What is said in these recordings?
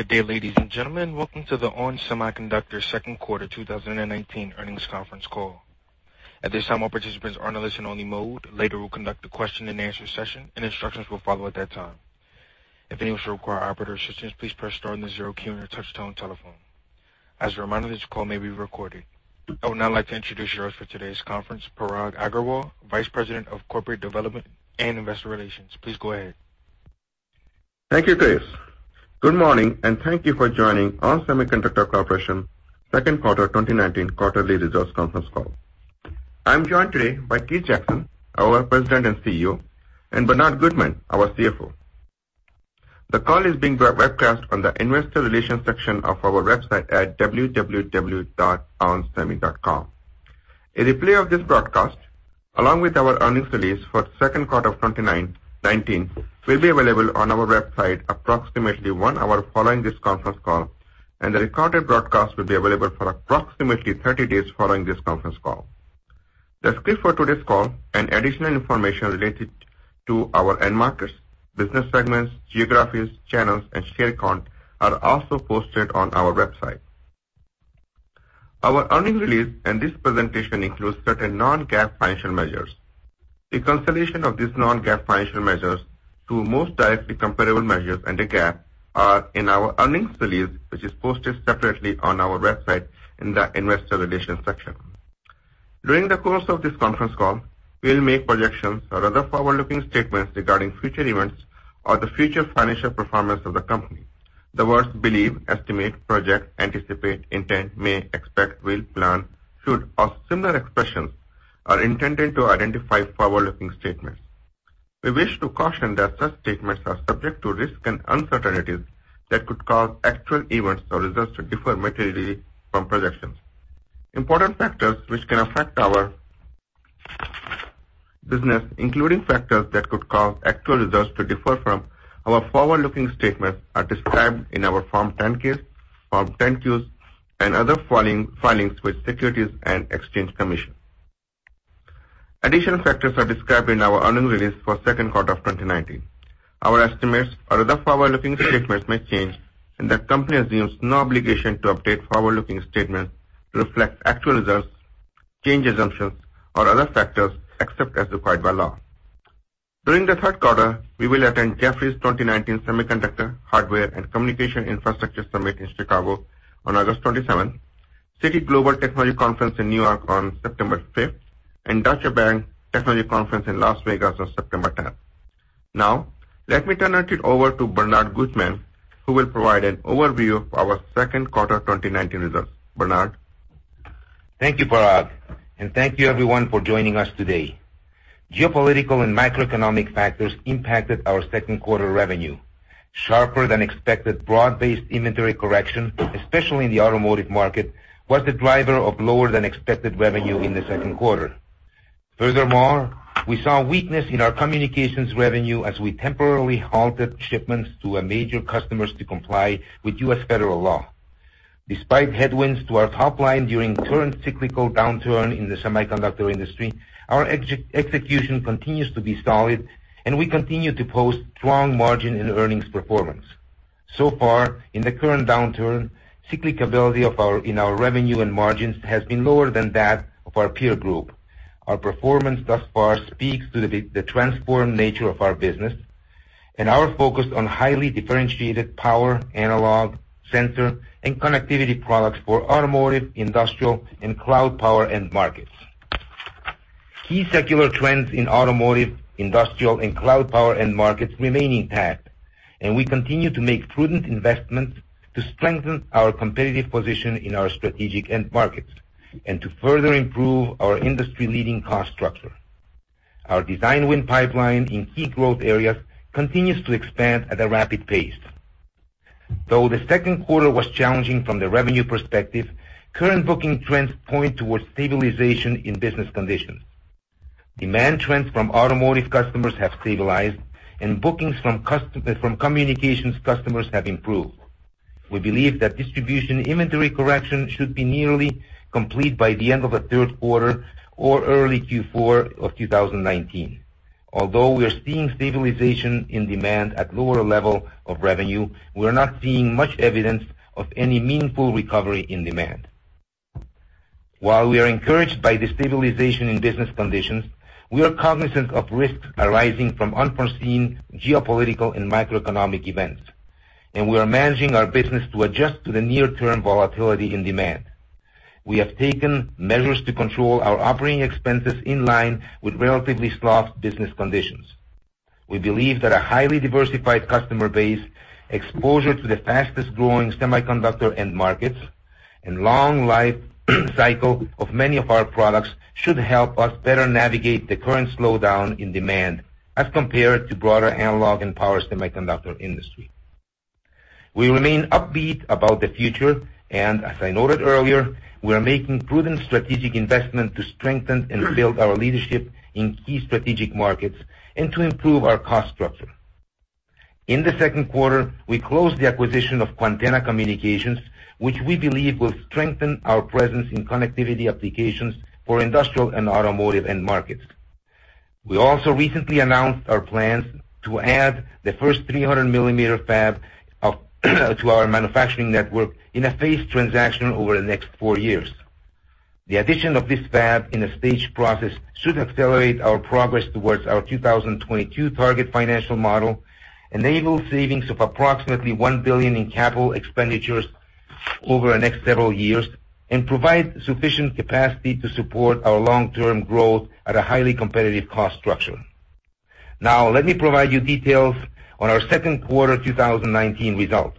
Good day, ladies and gentlemen. Welcome to the ON Semiconductor second quarter 2019 earnings conference call. At this time, all participants are in a listen only mode. Later, we'll conduct a question and answer session, and instructions will follow at that time. If anyone should require operator assistance, please press star and the zero key on your touch-tone telephone. As a reminder, this call may be recorded. I would now like to introduce you to today's conference, Parag Agarwal, Vice President of Corporate Development and Investor Relations. Please go ahead. Thank you, Chris. Good morning, and thank you for joining ON Semiconductor Corporation second quarter 2019 quarterly results conference call. I'm joined today by Keith Jackson, our President and CEO, and Bernard Gutmann, our CFO. The call is being broadcast on the investor relations section of our website at www.onsemi.com. A replay of this broadcast, along with our earnings release for the second quarter of 2019, will be available on our website approximately one hour following this conference call, and the recorded broadcast will be available for approximately 30 days following this conference call. The script for today's call and additional information related to our end markets, business segments, geographies, channels, and share count are also posted on our website. Our earnings release and this presentation includes certain non-GAAP financial measures. A reconciliation of these non-GAAP financial measures to most directly comparable measures under GAAP are in our earnings release, which is posted separately on our website in the investor relations section. During the course of this conference call, we'll make projections or other forward-looking statements regarding future events or the future financial performance of the company. The words believe, estimate, project, anticipate, intend, may, expect, will, plan, should, or similar expressions are intended to identify forward-looking statements. We wish to caution that such statements are subject to risks and uncertainties that could cause actual events or results to differ materially from projections. Important factors which can affect our business, including factors that could cause actual results to differ from our forward-looking statements, are described in our Form 10-K, Form 10-Qs, and other filings with Securities and Exchange Commission. Additional factors are described in our earnings release for second quarter of 2019. Our estimates or other forward-looking statements may change, and the company assumes no obligation to update forward-looking statements to reflect actual results, changed assumptions, or other factors, except as required by law. During the third quarter, we will attend Jefferies 2019 Semiconductor, Hardware, and Communication Infrastructure Summit in Chicago on August 27th, Citi Global Technology Conference in New York on September 5th, and Deutsche Bank Technology Conference in Las Vegas on September 10th. Now, let me turn it over to Bernard Gutmann, who will provide an overview of our second quarter 2019 results. Bernard? Thank you, Parag, thank you everyone for joining us today. Geopolitical and macroeconomic factors impacted our second quarter revenue. Sharper than expected broad-based inventory correction, especially in the automotive market, was the driver of lower than expected revenue in the second quarter. Furthermore, we saw weakness in our communications revenue as we temporarily halted shipments to a major customer to comply with U.S. federal law. Despite headwinds to our top line during the current cyclical downturn in the semiconductor industry, our execution continues to be solid, and we continue to post strong margin and earnings performance. Far, in the current downturn, cyclicality in our revenue and margins has been lower than that of our peer group. Our performance thus far speaks to the transformed nature of our business and our focus on highly differentiated power, analog, sensor, and connectivity products for automotive, industrial, and cloud power end markets. Key secular trends in automotive, industrial, and cloud power end markets remain intact. We continue to make prudent investments to strengthen our competitive position in our strategic end markets and to further improve our industry-leading cost structure. Our design win pipeline in key growth areas continues to expand at a rapid pace. Though the second quarter was challenging from the revenue perspective, current booking trends point towards stabilization in business conditions. Demand trends from automotive customers have stabilized, and bookings from communications customers have improved. We believe that distribution inventory correction should be nearly complete by the end of the third quarter or early Q4 of 2019. Although we are seeing stabilization in demand at lower level of revenue, we are not seeing much evidence of any meaningful recovery in demand. While we are encouraged by the stabilization in business conditions, we are cognizant of risks arising from unforeseen geopolitical and macroeconomic events, and we are managing our business to adjust to the near-term volatility in demand. We have taken measures to control our operating expenses in line with relatively soft business conditions. We believe that a highly diversified customer base, exposure to the fastest-growing semiconductor end markets, and long life cycle of many of our products should help us better navigate the current slowdown in demand as compared to broader analog and power semiconductor industry. We remain upbeat about the future and, as I noted earlier, we are making prudent strategic investment to strengthen and build our leadership in key strategic markets and to improve our cost structure. In the second quarter, we closed the acquisition of Quantenna Communications, which we believe will strengthen our presence in connectivity applications for industrial and automotive end markets. We also recently announced our plans to add the first 300-millimeter fab to our manufacturing network in a phased transaction over the next four years. The addition of this fab in a staged process should accelerate our progress towards our 2022 target financial model, enable savings of approximately $1 billion in capital expenditures over the next several years, and provide sufficient capacity to support our long-term growth at a highly competitive cost structure. Now, let me provide you details on our second quarter 2019 results.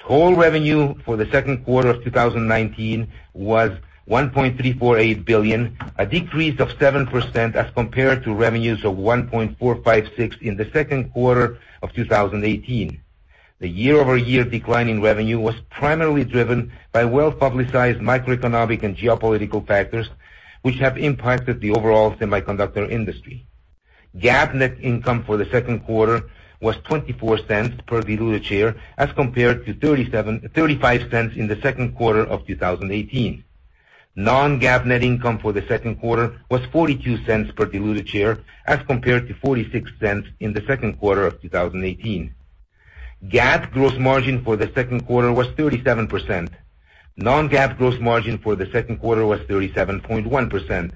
Total revenue for the second quarter of 2019 was $1.348 billion, a decrease of 7% as compared to revenues of $1.456 billion in the second quarter of 2018. The year-over-year decline in revenue was primarily driven by well-publicized microeconomic and geopolitical factors, which have impacted the overall semiconductor industry. GAAP net income for the second quarter was $0.24 per diluted share as compared to $0.35 in the second quarter of 2018. Non-GAAP net income for the second quarter was $0.42 per diluted share as compared to $0.46 in the second quarter of 2018. GAAP gross margin for the second quarter was 37%. Non-GAAP gross margin for the second quarter was 37.1%.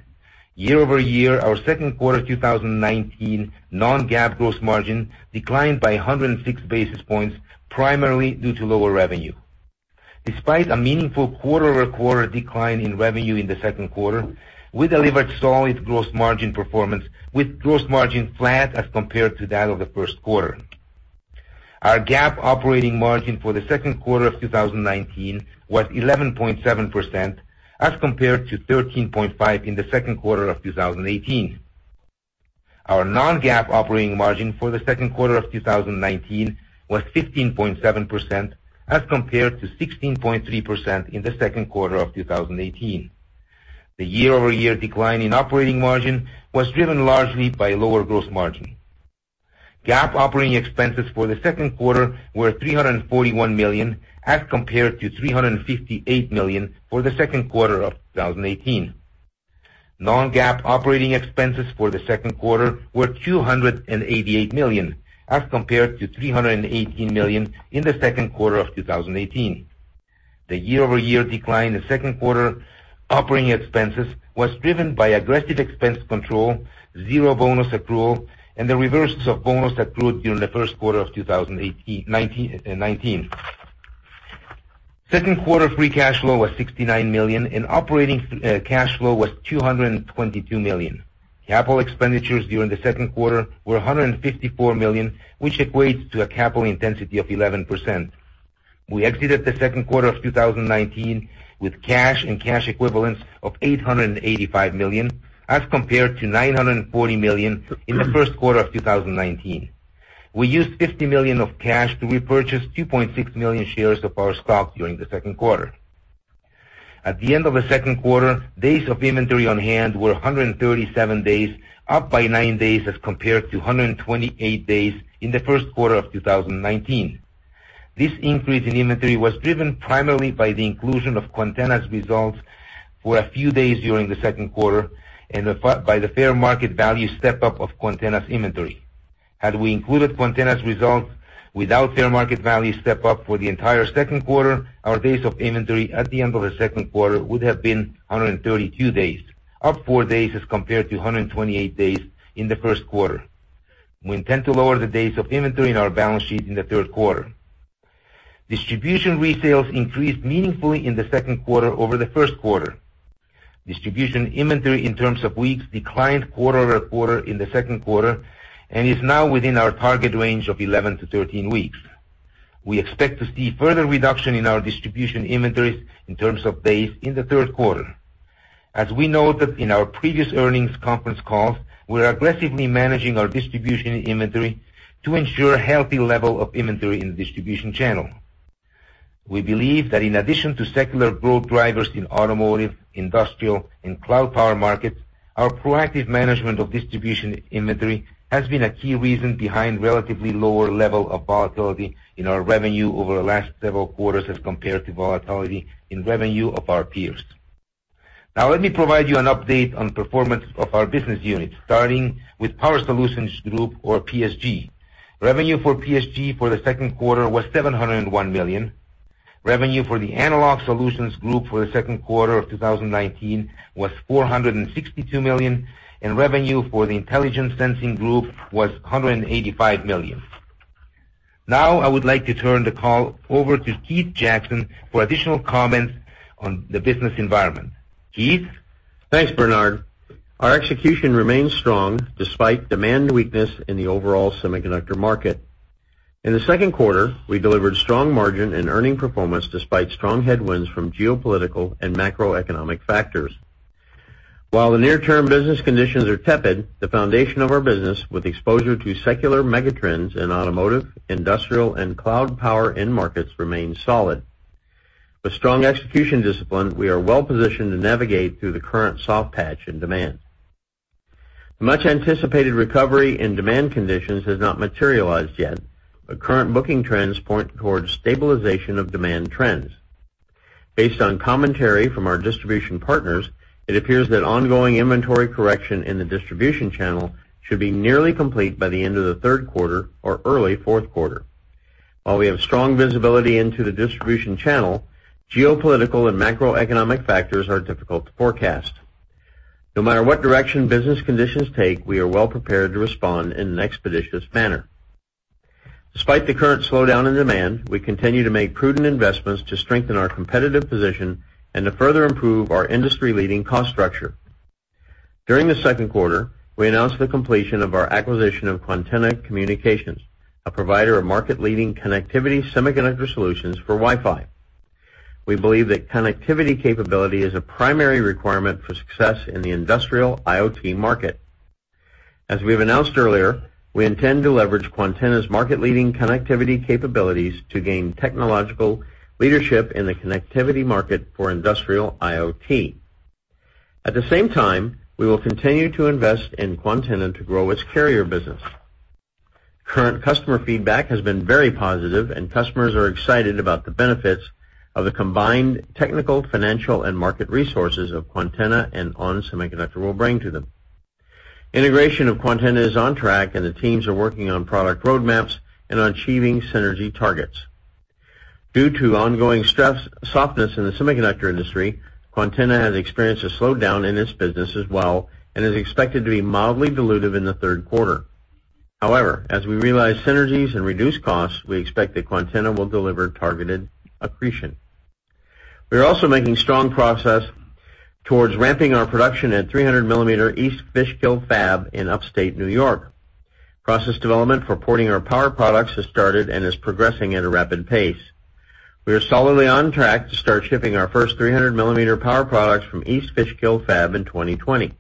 Year-over-year, our second quarter 2019 non-GAAP gross margin declined by 106 basis points, primarily due to lower revenue. Despite a meaningful quarter-over-quarter decline in revenue in the second quarter, we delivered solid gross margin performance with gross margin flat as compared to that of the first quarter. Our GAAP operating margin for the second quarter of 2019 was 11.7% as compared to 13.5% in the second quarter of 2018. Our non-GAAP operating margin for the second quarter of 2019 was 15.7% as compared to 16.3% in the second quarter of 2018. The year-over-year decline in operating margin was driven largely by lower gross margin. GAAP operating expenses for the second quarter were $341 million as compared to $358 million for the second quarter of 2018. Non-GAAP operating expenses for the second quarter were $288 million as compared to $318 million in the second quarter of 2018. The year-over-year decline in second quarter operating expenses was driven by aggressive expense control, zero bonus accrual, and the reversal of bonus accrued during the first quarter of 2019. Second quarter free cash flow was $69 million, and operating cash flow was $222 million. Capital expenditures during the second quarter were $154 million, which equates to a capital intensity of 11%. We exited the second quarter of 2019 with cash and cash equivalents of $885 million as compared to $940 million in the first quarter of 2019. We used $50 million of cash to repurchase 2.6 million shares of our stock during the second quarter. At the end of the second quarter, days of inventory on hand were 137 days, up by nine days as compared to 128 days in the first quarter of 2019. This increase in inventory was driven primarily by the inclusion of Quantenna's results for a few days during the second quarter and by the fair market value step-up of Quantenna's inventory. Had we included Quantenna's results without fair market value step-up for the entire second quarter, our days of inventory at the end of the second quarter would have been 132 days, up four days as compared to 128 days in the first quarter. We intend to lower the days of inventory in our balance sheet in the third quarter. Distribution resales increased meaningfully in the second quarter over the first quarter. Distribution inventory in terms of weeks declined quarter-over-quarter in the second quarter and is now within our target range of 11-13 weeks. We expect to see further reduction in our distribution inventories in terms of days in the third quarter. As we noted in our previous earnings conference call, we're aggressively managing our distribution inventory to ensure a healthy level of inventory in the distribution channel. We believe that in addition to secular growth drivers in automotive, industrial, and cloud power markets, our proactive management of distribution inventory has been a key reason behind relatively lower level of volatility in our revenue over the last several quarters as compared to volatility in revenue of our peers. Let me provide you an update on performance of our business units, starting with Power Solutions Group or PSG. Revenue for PSG for the second quarter was $701 million. Revenue for the Analog Solutions Group for the second quarter of 2019 was $462 million, and revenue for the Intelligent Sensing Group was $185 million. I would like to turn the call over to Keith Jackson for additional comments on the business environment. Keith? Thanks, Bernard. Our execution remains strong despite demand weakness in the overall semiconductor market. In the second quarter, we delivered strong margin and earning performance despite strong headwinds from geopolitical and macroeconomic factors. The near-term business conditions are tepid, the foundation of our business, with exposure to secular megatrends in automotive, industrial, and cloud power end markets remains solid. With strong execution discipline, we are well positioned to navigate through the current soft patch in demand. The much anticipated recovery in demand conditions has not materialized yet, but current booking trends point towards stabilization of demand trends. Based on commentary from our distribution partners, it appears that ongoing inventory correction in the distribution channel should be nearly complete by the end of the third quarter or early fourth quarter. We have strong visibility into the distribution channel, geopolitical and macroeconomic factors are difficult to forecast. No matter what direction business conditions take, we are well-prepared to respond in an expeditious manner. Despite the current slowdown in demand, we continue to make prudent investments to strengthen our competitive position and to further improve our industry-leading cost structure. During the second quarter, we announced the completion of our acquisition of Quantenna Communications, a provider of market-leading connectivity semiconductor solutions for Wi-Fi. We believe that connectivity capability is a primary requirement for success in the industrial IoT market. As we've announced earlier, we intend to leverage Quantenna's market-leading connectivity capabilities to gain technological leadership in the connectivity market for industrial IoT. At the same time, we will continue to invest in Quantenna to grow its carrier business. Current customer feedback has been very positive, and customers are excited about the benefits of the combined technical, financial, and market resources of Quantenna and ON Semiconductor will bring to them. Integration of Quantenna is on track, and the teams are working on product roadmaps and on achieving synergy targets. Due to ongoing softness in the semiconductor industry, Quantenna has experienced a slowdown in its business as well and is expected to be mildly dilutive in the third quarter. However, as we realize synergies and reduce costs, we expect that Quantenna will deliver targeted accretion. We are also making strong progress towards ramping our production at 300-millimeter East Fishkill fab in upstate New York. Process development for porting our power products has started and is progressing at a rapid pace. We are solidly on track to start shipping our first 300-millimeter power products from East Fishkill fab in 2020.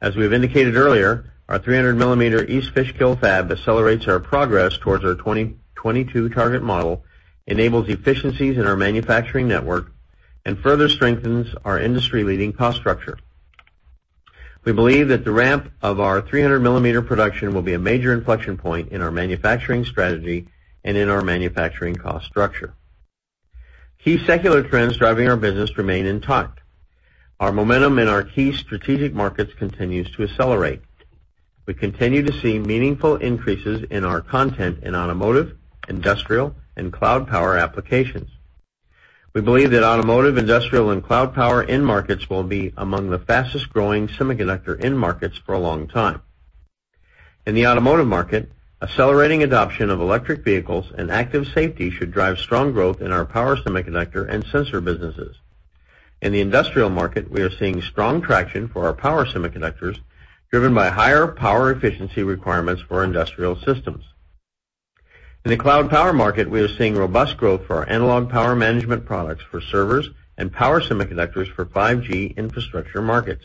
As we've indicated earlier, our 300-millimeter East Fishkill fab accelerates our progress towards our 2022 target model, enables efficiencies in our manufacturing network, and further strengthens our industry-leading cost structure. We believe that the ramp of our 300-millimeter production will be a major inflection point in our manufacturing strategy and in our manufacturing cost structure. Key secular trends driving our business remain intact. Our momentum in our key strategic markets continues to accelerate. We continue to see meaningful increases in our content in automotive, industrial, and cloud power applications. We believe that automotive, industrial, and cloud power end markets will be among the fastest-growing semiconductor end markets for a long time. In the automotive market, accelerating adoption of electric vehicles and active safety should drive strong growth in our power semiconductor and sensor businesses. In the industrial market, we are seeing strong traction for our power semiconductors, driven by higher power efficiency requirements for industrial systems. In the cloud power market, we are seeing robust growth for our analog power management products for servers and power semiconductors for 5G infrastructure markets.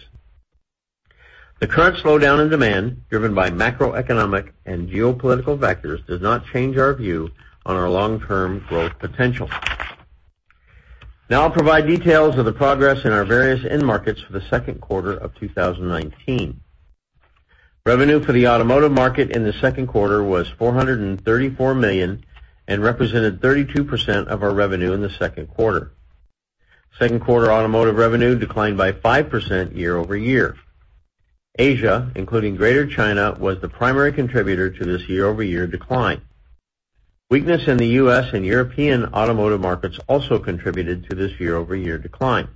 The current slowdown in demand, driven by macroeconomic and geopolitical vectors, does not change our view on our long-term growth potential. Now I'll provide details of the progress in our various end markets for the second quarter of 2019. Revenue for the automotive market in the second quarter was $434 million and represented 32% of our revenue in the second quarter. Second quarter automotive revenue declined by 5% year-over-year. Asia, including Greater China, was the primary contributor to this year-over-year decline. Weakness in the U.S. and European automotive markets also contributed to this year-over-year decline.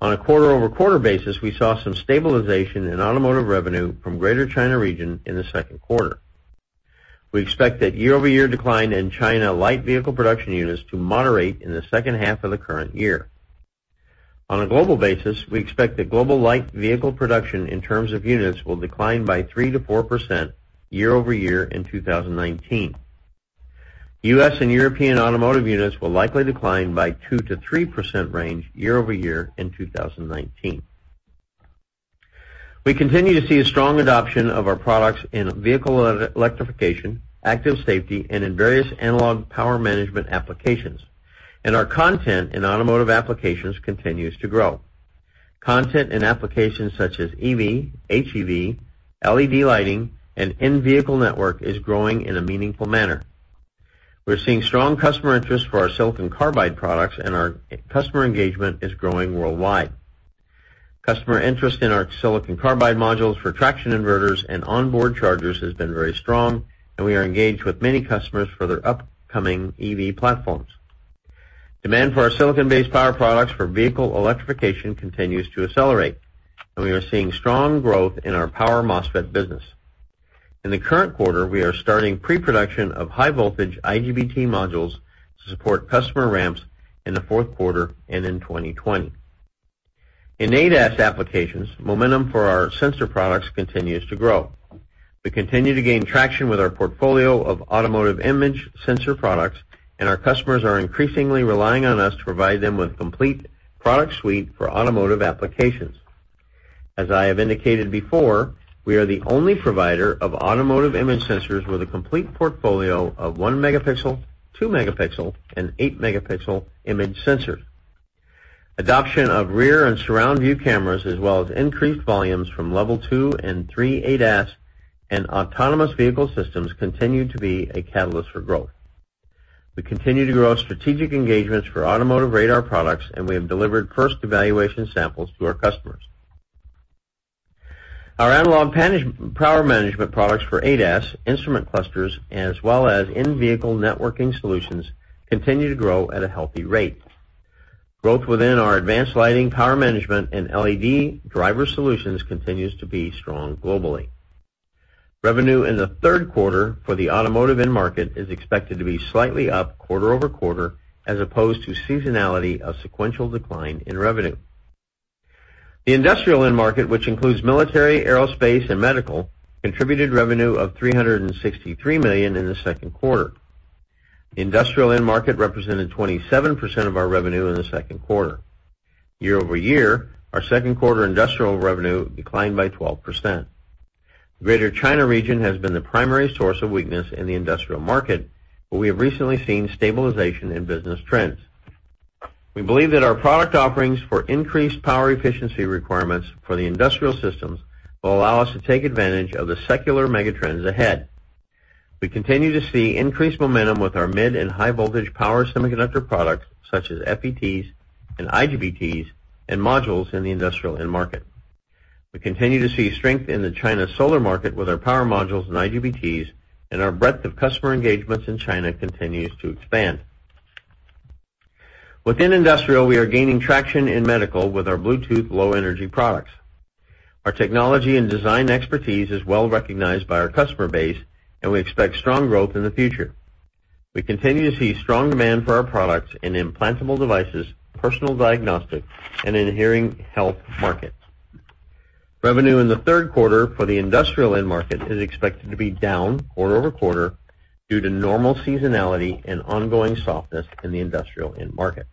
On a quarter-over-quarter basis, we saw some stabilization in automotive revenue from Greater China region in the second quarter. We expect that year-over-year decline in China light vehicle production units to moderate in the second half of the current year. On a global basis, we expect that global light vehicle production in terms of units will decline by 3%-4% year-over-year in 2019. U.S. and European automotive units will likely decline by 2%-3% range year-over-year in 2019. We continue to see a strong adoption of our products in vehicle electrification, active safety, and in various analog power management applications, and our content in automotive applications continues to grow. Content in applications such as EV, HEV, LED lighting, and in-vehicle network is growing in a meaningful manner. We're seeing strong customer interest for our silicon carbide products, and our customer engagement is growing worldwide. Customer interest in our silicon carbide modules for traction inverters and onboard chargers has been very strong, and we are engaged with many customers for their upcoming EV platforms. Demand for our silicon-based power products for vehicle electrification continues to accelerate, and we are seeing strong growth in our power MOSFET business. In the current quarter, we are starting pre-production of high voltage IGBT modules to support customer ramps in the fourth quarter and in 2020. In ADAS applications, momentum for our sensor products continues to grow. We continue to gain traction with our portfolio of automotive image sensor products, and our customers are increasingly relying on us to provide them with complete product suite for automotive applications. As I have indicated before, we are the only provider of automotive image sensors with a complete portfolio of 1 megapixel, 2 megapixel, and 8 megapixel image sensors. Adoption of rear and surround view cameras, as well as increased volumes from level 2 and 3 ADAS and autonomous vehicle systems, continue to be a catalyst for growth. We continue to grow strategic engagements for automotive radar products, and we have delivered first evaluation samples to our customers. Our analog power management products for ADAS, instrument clusters, as well as in-vehicle networking solutions, continue to grow at a healthy rate. Growth within our advanced lighting power management and LED driver solutions continues to be strong globally. Revenue in the third quarter for the automotive end market is expected to be slightly up quarter-over-quarter, as opposed to seasonality of sequential decline in revenue. The industrial end market, which includes military, aerospace, and medical, contributed revenue of $363 million in the second quarter. The industrial end market represented 27% of our revenue in the second quarter. Year-over-year, our second quarter industrial revenue declined by 12%. The Greater China region has been the primary source of weakness in the industrial market, but we have recently seen stabilization in business trends. We believe that our product offerings for increased power efficiency requirements for the industrial systems will allow us to take advantage of the secular mega trends ahead. We continue to see increased momentum with our mid- and high-voltage power semiconductor products, such as FETs and IGBTs and modules in the industrial end market. We continue to see strength in the China solar market with our power modules and IGBTs, and our breadth of customer engagements in China continues to expand. Within industrial, we are gaining traction in medical with our Bluetooth Low Energy products. Our technology and design expertise is well-recognized by our customer base, and we expect strong growth in the future. We continue to see strong demand for our products in implantable devices, personal diagnostics, and in hearing health markets. Revenue in the third quarter for the industrial end market is expected to be down quarter-over-quarter due to normal seasonality and ongoing softness in the industrial end market.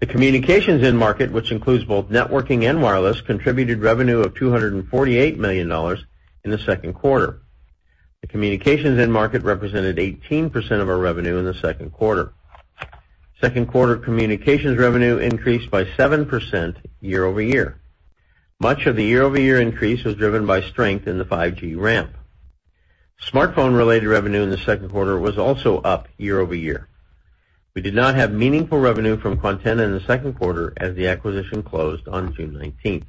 The communications end market, which includes both networking and wireless, contributed revenue of $248 million in the second quarter. The communications end market represented 18% of our revenue in the second quarter. Second quarter communications revenue increased by 7% year-over-year. Much of the year-over-year increase was driven by strength in the 5G ramp. Smartphone related revenue in the second quarter was also up year-over-year. We did not have meaningful revenue from Quantenna in the second quarter, as the acquisition closed on June 19th.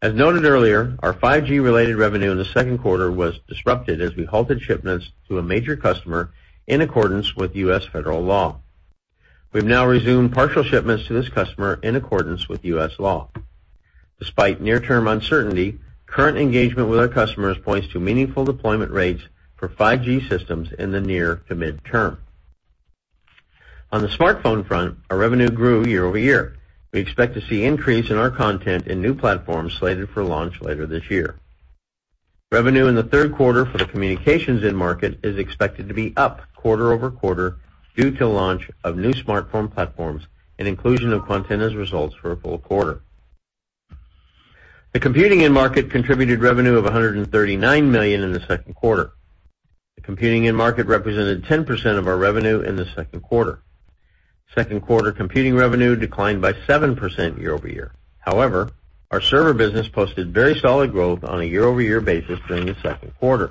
As noted earlier, our 5G related revenue in the second quarter was disrupted as we halted shipments to a major customer in accordance with U.S. federal law. We've now resumed partial shipments to this customer in accordance with U.S. law. Despite near-term uncertainty, current engagement with our customers points to meaningful deployment rates for 5G systems in the near to mid-term. On the smartphone front, our revenue grew year-over-year. We expect to see increase in our content in new platforms slated for launch later this year. Revenue in the third quarter for the communications end market is expected to be up quarter-over-quarter due to launch of new smartphone platforms and inclusion of Quantenna's results for a full quarter. The computing end market contributed revenue of $139 million in the second quarter. The computing end market represented 10% of our revenue in the second quarter. Second quarter computing revenue declined by 7% year-over-year. Our server business posted very solid growth on a year-over-year basis during the second quarter.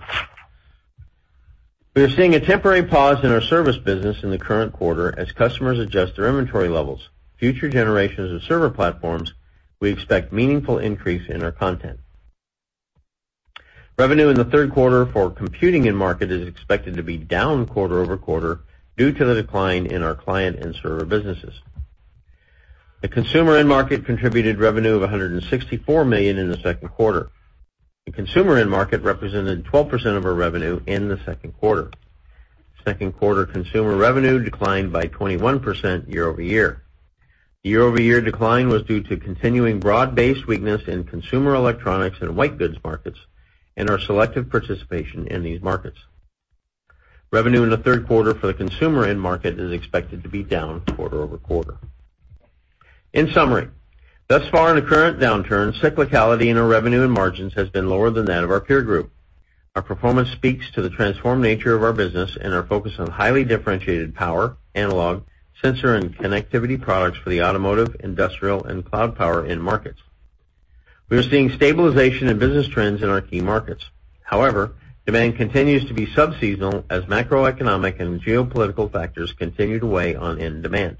We are seeing a temporary pause in our service business in the current quarter as customers adjust their inventory levels. Future generations of server platforms, we expect meaningful increase in our content. Revenue in the third quarter for computing end market is expected to be down quarter-over-quarter due to the decline in our client and server businesses. The consumer end market contributed revenue of $164 million in the second quarter. The consumer end market represented 12% of our revenue in the second quarter. Second quarter consumer revenue declined by 21% year-over-year. The year-over-year decline was due to continuing broad-based weakness in consumer electronics and white goods markets and our selective participation in these markets. Revenue in the third quarter for the consumer end market is expected to be down quarter-over-quarter. In summary, thus far in the current downturn, cyclicality in our revenue and margins has been lower than that of our peer group. Our performance speaks to the transformed nature of our business and our focus on highly differentiated power, analog, sensor, and connectivity products for the automotive, industrial, and cloud power end markets. We are seeing stabilization in business trends in our key markets. However, demand continues to be sub-seasonal as macroeconomic and geopolitical factors continue to weigh on end demand.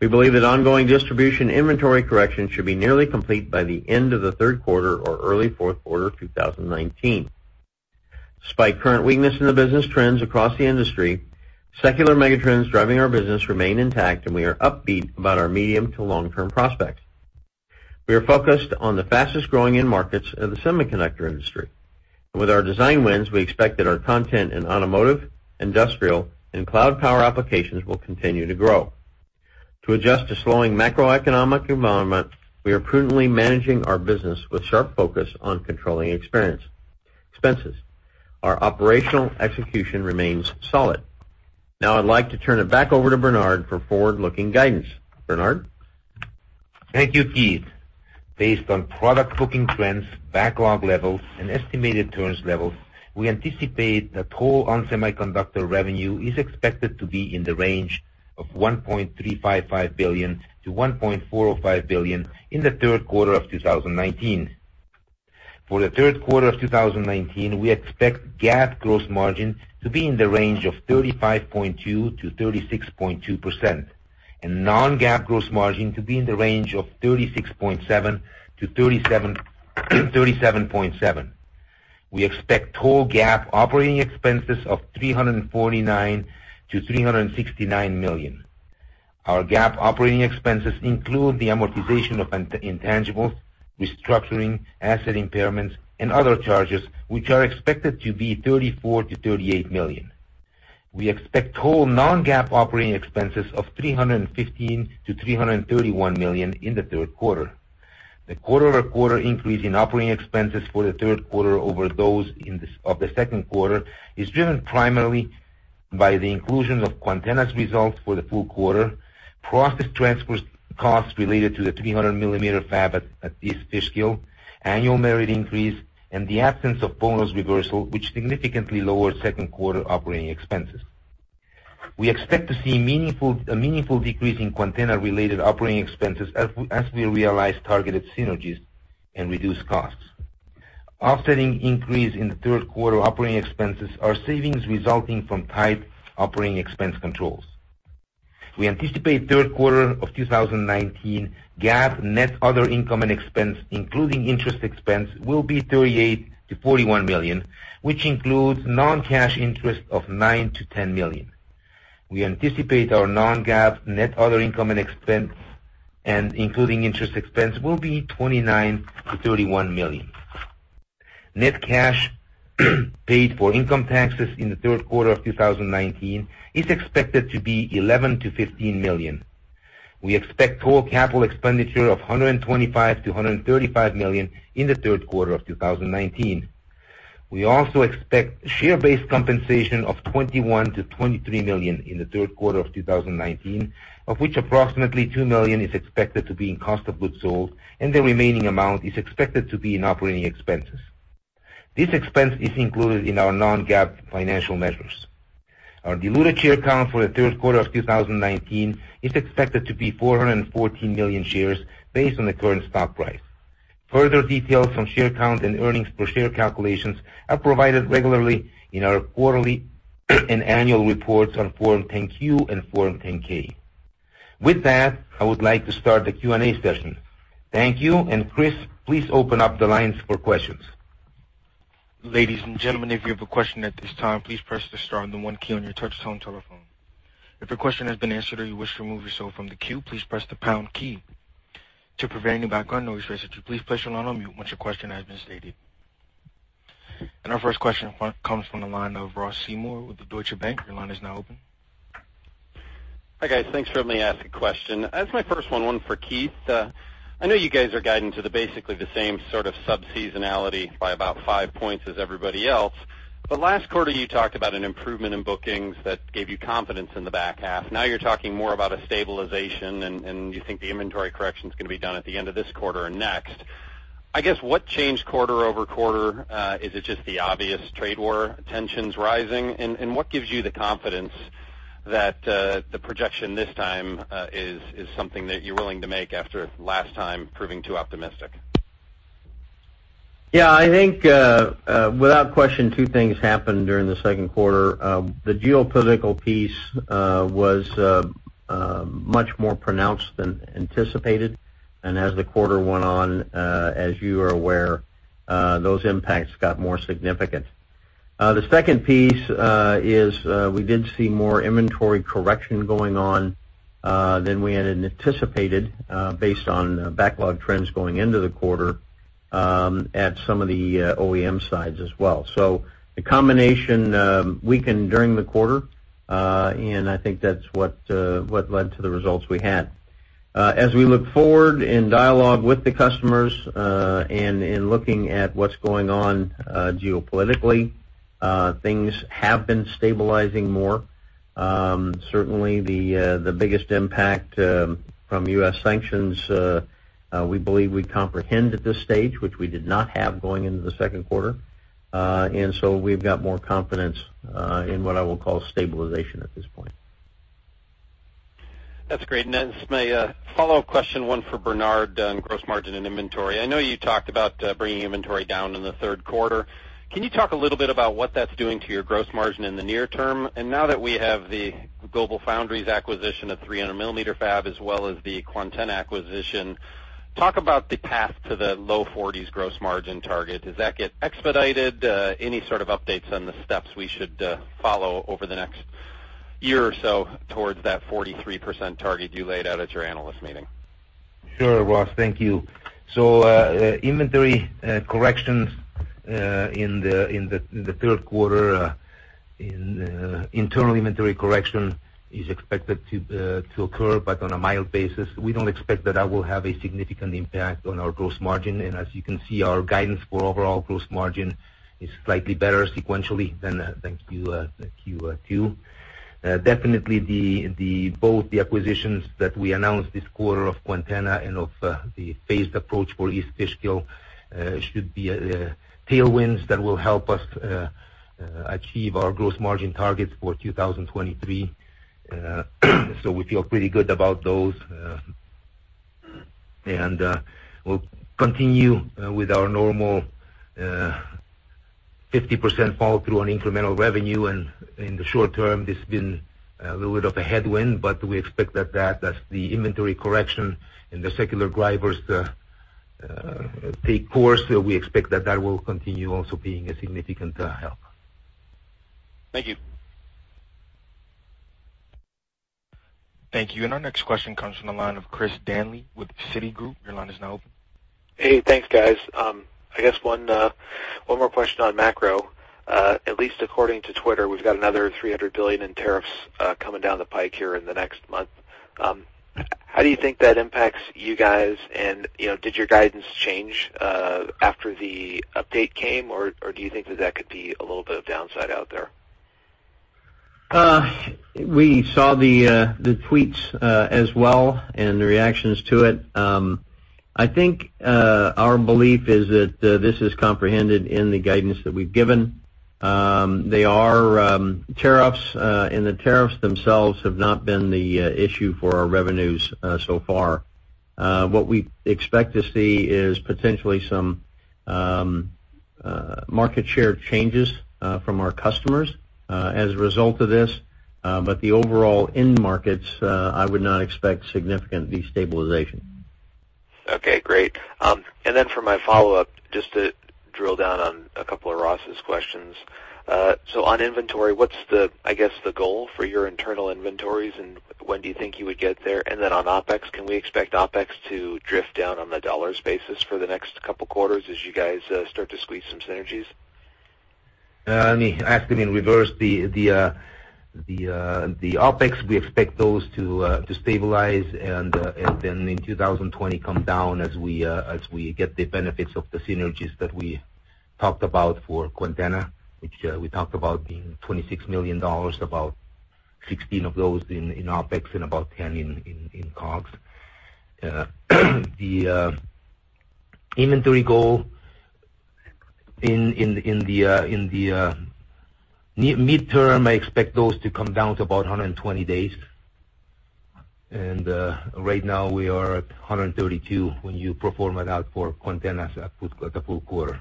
We believe that ongoing distribution inventory correction should be nearly complete by the end of the third quarter or early fourth quarter 2019. Despite current weakness in the business trends across the industry, secular mega trends driving our business remain intact, and we are upbeat about our medium to long-term prospects. With our design wins, we expect that our content in automotive, industrial, and cloud power applications will continue to grow. To adjust to slowing macroeconomic environment, we are prudently managing our business with sharp focus on controlling expenses. Our operational execution remains solid. Now I'd like to turn it back over to Bernard for forward-looking guidance. Bernard? Thank you, Keith. Based on product booking trends, backlog levels, and estimated turns levels, we anticipate that total ON Semiconductor revenue is expected to be in the range of $1.355 billion-$1.405 billion in the third quarter of 2019. For the third quarter of 2019, we expect GAAP gross margin to be in the range of 35.2%-36.2%, and non-GAAP gross margin to be in the range of 36.7%-37.7%. We expect total GAAP operating expenses of $349 million-$369 million. Our GAAP operating expenses include the amortization of intangibles, restructuring, asset impairments, and other charges, which are expected to be $34 million-$38 million. We expect total non-GAAP operating expenses of $315 million-$331 million in the third quarter. The quarter-over-quarter increase in operating expenses for the third quarter over those of the second quarter is driven primarily by the inclusion of Quantenna's results for the full quarter, process transfer costs related to the 300-millimeter fab at East Fishkill, annual merit increase, and the absence of bonus reversal, which significantly lowered second quarter operating expenses. We expect to see a meaningful decrease in Quantenna-related operating expenses as we realize targeted synergies and reduce costs. Offsetting increase in the third quarter operating expenses are savings resulting from tight operating expense controls. We anticipate third quarter of 2019 GAAP net other income and expense, including interest expense, will be $38 million-$41 million, which includes non-cash interest of $9 million-$10 million. We anticipate our non-GAAP net other income and including interest expense will be $29 million-$31 million. Net cash paid for income taxes in the third quarter of 2019 is expected to be $11 million-$15 million. We expect total capital expenditure of $125 million-$135 million in the third quarter of 2019. We also expect share-based compensation of $21 million-$23 million in the third quarter of 2019, of which approximately $2 million is expected to be in cost of goods sold, and the remaining amount is expected to be in operating expenses. This expense is included in our non-GAAP financial measures. Our diluted share count for the third quarter of 2019 is expected to be 414 million shares based on the current stock price. Further details on share count and earnings per share calculations are provided regularly in our quarterly and annual reports on Form 10-Q and Form 10-K. With that, I would like to start the Q&A session. Thank you, and Chris, please open up the lines for questions. Ladies and gentlemen, if you have a question at this time, please press the star and the one key on your touchtone telephone. If your question has been answered or you wish to remove yourself from the queue, please press the pound key. To prevent any background noise, would you please place your line on mute once your question has been stated. Our first question comes from the line of Ross Seymore with the Deutsche Bank. Your line is now open. Hi, guys. Thanks for letting me ask a question. As my first one for Keith. I know you guys are guiding to basically the same sort of sub-seasonality by about 5 points as everybody else. Last quarter, you talked about an improvement in bookings that gave you confidence in the back half. Now you're talking more about a stabilization, and you think the inventory correction's going to be done at the end of this quarter and next. I guess, what changed quarter-over-quarter? Is it just the obvious trade war tensions rising? What gives you the confidence that the projection this time is something that you're willing to make after last time proving too optimistic? Yeah, I think, without question, two things happened during the second quarter. The geopolitical piece was much more pronounced than anticipated, and as the quarter went on, as you are aware, those impacts got more significant. The second piece is we did see more inventory correction going on than we had anticipated based on backlog trends going into the quarter at some of the OEM sides as well. The combination weakened during the quarter, and I think that's what led to the results we had. As we look forward in dialogue with the customers, and in looking at what's going on geopolitically, things have been stabilizing more. Certainly, the biggest impact from U.S. sanctions, we believe we comprehend at this stage, which we did not have going into the second quarter. We've got more confidence in what I will call stabilization at this point. That's great. Then just my follow-up question, one for Bernard on gross margin and inventory. I know you talked about bringing inventory down in the third quarter. Can you talk a little bit about what that's doing to your gross margin in the near term? Now that we have the GlobalFoundries acquisition of 300-millimeter fab as well as the Quantenna acquisition, talk about the path to the low 40s gross margin target. Does that get expedited? Any sort of updates on the steps we should follow over the next year or so towards that 43% target you laid out at your analyst meeting? Sure, Ross. Thank you. Inventory corrections in the third quarter, an internal inventory correction is expected to occur, but on a mild basis. We don't expect that that will have a significant impact on our gross margin. As you can see, our guidance for overall gross margin is slightly better sequentially than Q2. Both the acquisitions that we announced this quarter of Quantenna and of the phased approach for East Fishkill should be tailwinds that will help us achieve our gross margin targets for 2023. We feel pretty good about those. We'll continue with our normal 50% follow-through on incremental revenue. In the short term, it's been a little bit of a headwind, but as the inventory correction and the secular drivers take course, we expect that that will continue also being a significant help. Thank you. Thank you. Our next question comes from the line of Chris Danely with Citigroup. Your line is now open. Hey, thanks, guys. I guess one more question on macro. At least according to Twitter, we've got another $300 billion in tariffs coming down the pike here in the next month. How do you think that impacts you guys? Did your guidance change after the update came or do you think that that could be a little bit of downside out there? We saw the tweets as well and the reactions to it. I think, our belief is that this is comprehended in the guidance that we've given. They are tariffs. The tariffs themselves have not been the issue for our revenues so far. What we expect to see is potentially some market share changes from our customers as a result of this. The overall end markets, I would not expect significant destabilization. Okay, great. For my follow-up, just to drill down on a couple of Ross's questions. On inventory, what's the, I guess, the goal for your internal inventories, and when do you think you would get there? On OpEx, can we expect OpEx to drift down on the dollars basis for the next couple quarters as you guys start to squeeze some synergies? Let me ask it in reverse. The OpEx, we expect those to stabilize and then in 2020 come down as we get the benefits of the synergies that we talked about for Quantenna, which we talked about being $26 million, about 16 of those in OpEx and about 10 in COGS. The inventory goal in the midterm, I expect those to come down to about 120 days. Right now, we are at 132 when you perform it out for Quantenna's at the full quarter.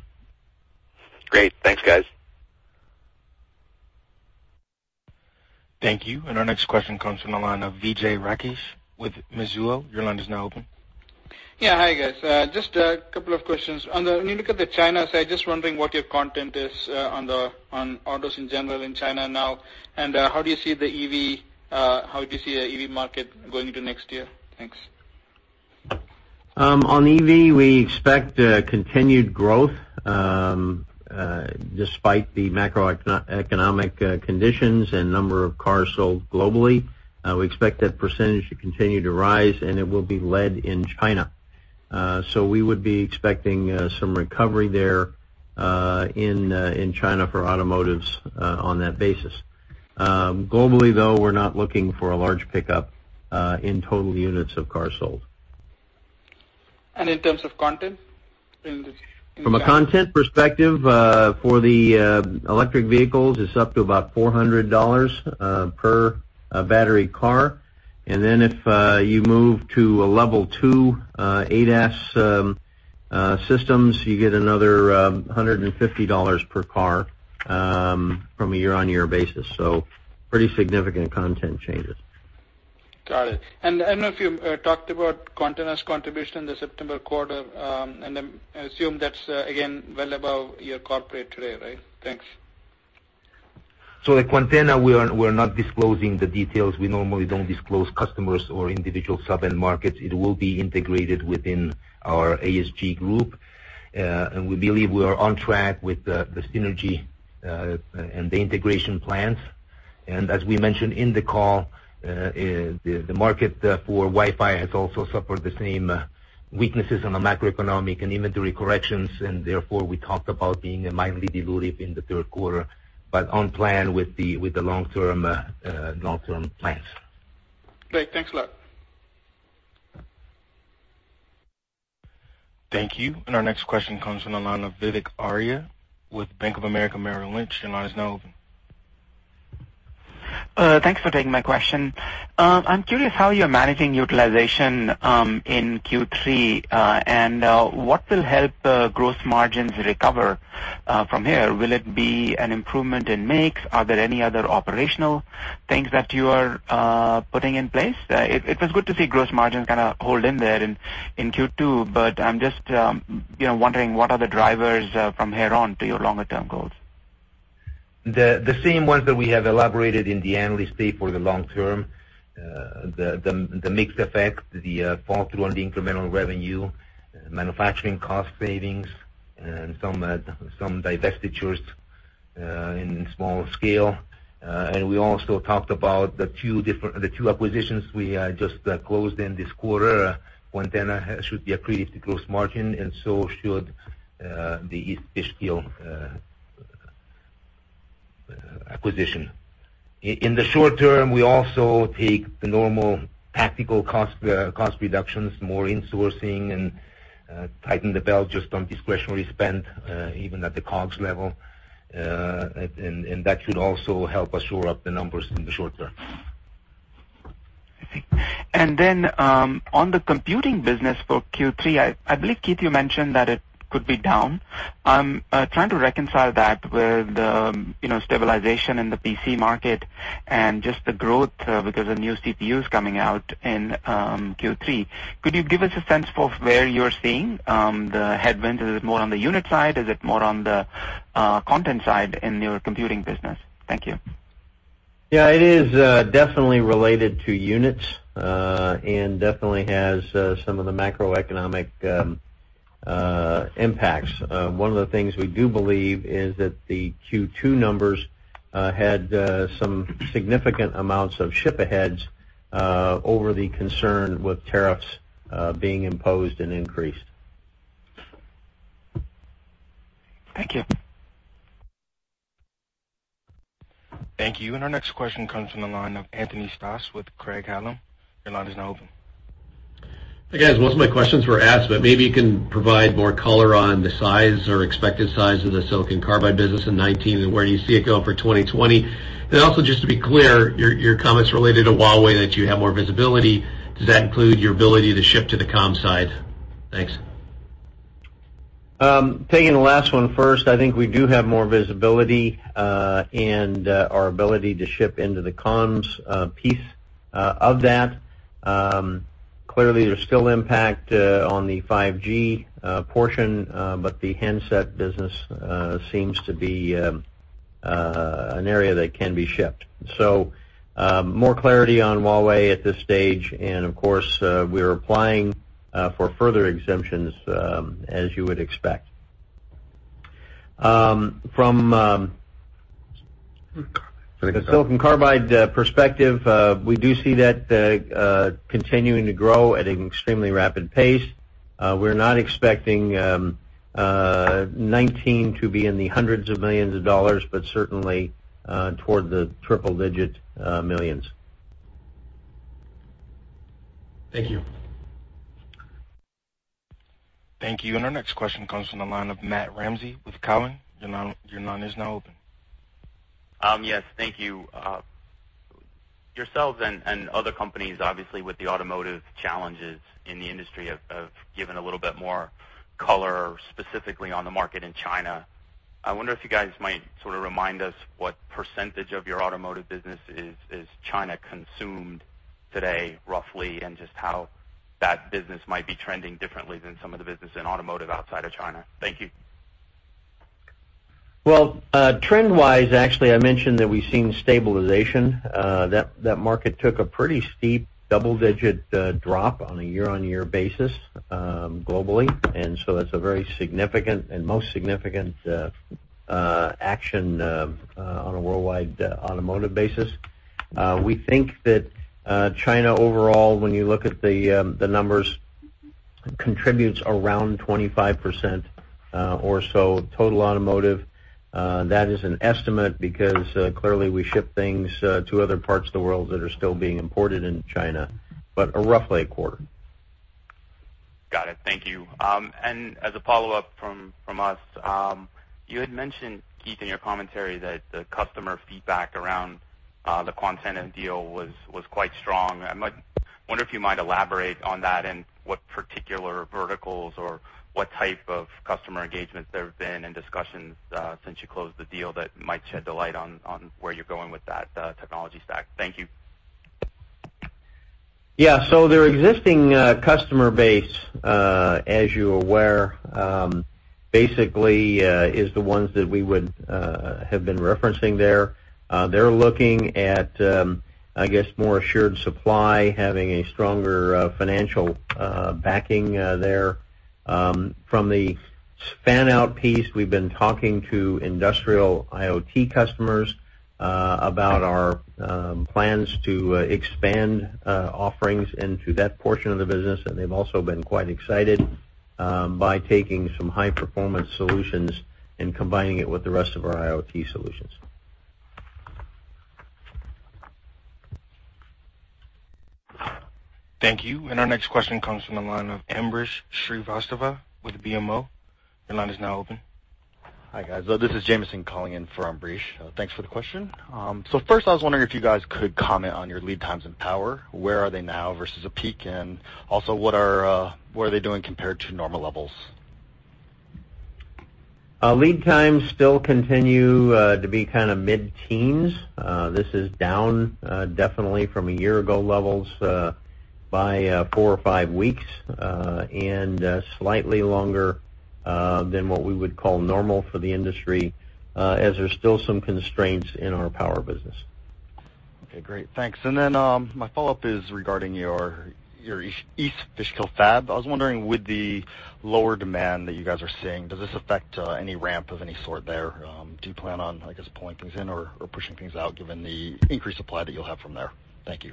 Great. Thanks, guys. Thank you. Our next question comes from the line of Vijay Rakesh with Mizuho. Your line is now open. Yeah. Hi, guys. Just a couple of questions. When you look at the China side, just wondering what your content is on autos in general in China now, and how do you see the EV market going into next year? Thanks. On EV, we expect continued growth despite the macroeconomic conditions and number of cars sold globally. We expect that % to continue to rise, and it will be led in China. We would be expecting some recovery there in China for automotives on that basis. Globally, though, we're not looking for a large pickup in total units of cars sold. In terms of content in China? From a content perspective, for the electric vehicles, it's up to about $400 per battery car. If you move to a level 2 ADAS systems, you get another $150 per car from a year-on-year basis. Pretty significant content changes. Got it. I don't know if you talked about Quantenna's contribution in the September quarter, and I assume that's again well above your corporate rate, right? Thanks. At Quantenna, we're not disclosing the details. We normally don't disclose customers or individual sub-end markets. It will be integrated within our ASG group. We believe we are on track with the synergy and the integration plans. As we mentioned in the call, the market for Wi-Fi has also suffered the same weaknesses on a macroeconomic and inventory corrections, therefore, we talked about being mildly dilutive in the third quarter, but on plan with the long-term plans. Great. Thanks a lot. Thank you. Our next question comes from the line of Vivek Arya with Bank of America Merrill Lynch. Your line is now open. Thanks for taking my question. I'm curious how you're managing utilization in Q3, and what will help gross margins recover from here? Will it be an improvement in mix? Are there any other operational things that you are putting in place? It was good to see gross margins kind of hold in there in Q2, but I'm just wondering what are the drivers from here on to your longer-term goals. The same ones that we have elaborated in the analyst day for the long term. The mixed effect, the fall through on the incremental revenue, manufacturing cost savings, and some divestitures in small scale. We also talked about the two acquisitions we just closed in this quarter. Quantenna should be accretive to gross margin, and so should the East Fishkill acquisition. In the short term, we also take the normal tactical cost reductions, more insourcing, and tighten the belt just on discretionary spend, even at the COGS level. That should also help us shore up the numbers in the short term. I see. On the computing business for Q3, I believe, Keith, you mentioned that it could be down. I'm trying to reconcile that with the stabilization in the PC market and just the growth because the new CPU is coming out in Q3. Could you give us a sense of where you're seeing the headwind? Is it more on the unit side? Is it more on the content side in your computing business? Thank you. It is definitely related to units, and definitely has some of the macroeconomic impacts. One of the things we do believe is that the Q2 numbers had some significant amounts of ship aheads over the concern with tariffs being imposed and increased. Thank you. Thank you. Our next question comes from the line of Anthony Stoss with Craig-Hallum. Your line is now open. Hi, guys. Most of my questions were asked, but maybe you can provide more color on the size or expected size of the silicon carbide business in 2019, and where do you see it going for 2020? Also, just to be clear, your comments related to Huawei that you have more visibility, does that include your ability to ship to the comms side? Thanks. Taking the last one first, I think we do have more visibility, and our ability to ship into the comms piece of that. Clearly, there's still impact on the 5G portion, but the handset business seems to be an area that can be shipped. More clarity on Huawei at this stage, and of course, we're applying for further exemptions, as you would expect. silicon carbide the silicon carbide perspective, we do see that continuing to grow at an extremely rapid pace. We're not expecting 2019 to be in the hundreds of millions of dollars, but certainly toward the $ triple-digit millions. Thank you. Thank you. Our next question comes from the line of Matt Ramsay with Cowen. Your line is now open. Yes. Thank you. Yourselves and other companies, obviously, with the automotive challenges in the industry, have given a little bit more color specifically on the market in China. I wonder if you guys might sort of remind us what percentage of your automotive business is China consumed today, roughly, and just how that business might be trending differently than some of the business in automotive outside of China. Thank you. Well, trend-wise, actually, I mentioned that we've seen stabilization. That market took a pretty steep double-digit drop on a year-on-year basis globally, and so that's a very significant, and most significant action on a worldwide automotive basis. We think that China overall, when you look at the numbers, contributes around 25% or so total automotive. That is an estimate because clearly we ship things to other parts of the world that are still being imported in China, but roughly a quarter. Got it. Thank you. As a follow-up from us, you had mentioned, Keith, in your commentary that the customer feedback around the Quantenna deal was quite strong. I wonder if you might elaborate on that and what particular verticals or what type of customer engagements there have been and discussions since you closed the deal that might shed a light on where you're going with that technology stack. Thank you. Yeah. Their existing customer base, as you're aware, basically is the ones that we would have been referencing there. They're looking at more assured supply, having a stronger financial backing there. From the span out piece, we've been talking to industrial IoT customers about our plans to expand offerings into that portion of the business, and they've also been quite excited by taking some high-performance solutions and combining it with the rest of our IoT solutions. Thank you. Our next question comes from the line of Ambrish Srivastava with BMO. Your line is now open. Hi, guys. This is Jameson calling in for Ambrish. Thanks for the question. First, I was wondering if you guys could comment on your lead times in power. Where are they now versus a peak? Also, what are they doing compared to normal levels? Lead times still continue to be mid-teens. This is down definitely from a year ago levels by four or five weeks, and slightly longer than what we would call normal for the industry, as there's still some constraints in our power business. Okay, great. Thanks. My follow-up is regarding your East Fishkill fab. I was wondering, with the lower demand that you guys are seeing, does this affect any ramp of any sort there? Do you plan on, I guess, pulling things in or pushing things out given the increased supply that you'll have from there? Thank you.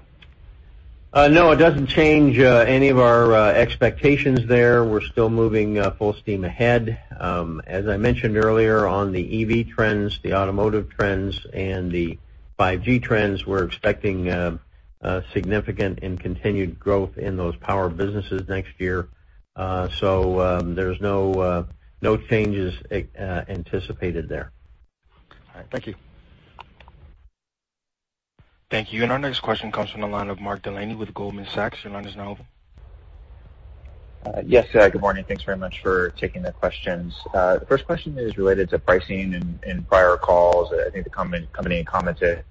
No, it doesn't change any of our expectations there. We're still moving full steam ahead. As I mentioned earlier on the EV trends, the automotive trends, and the 5G trends, we're expecting significant and continued growth in those power businesses next year. There's no changes anticipated there. All right. Thank you. Thank you. Our next question comes from the line of Mark Delaney with Goldman Sachs. Your line is now open. Yes. Good morning. Thanks very much for taking the questions. The first question is related to pricing. In prior calls, I think the company commented.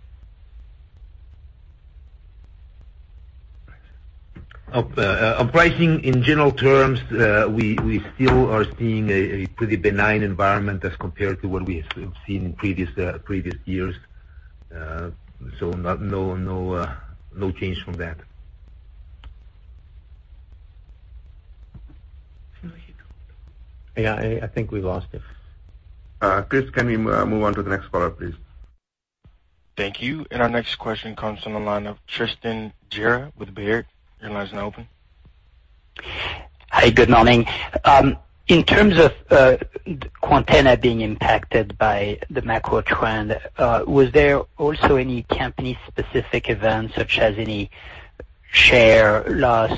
On pricing, in general terms, we still are seeing a pretty benign environment as compared to what we have seen in previous years. No change from that. Yeah, I think we lost him. Chris, can we move on to the next caller, please? Thank you. Our next question comes from the line of Tristan Gerra with Baird. Your line is now open. Hi, good morning. In terms of Quantenna being impacted by the macro trend, was there also any company specific events, such as any share loss,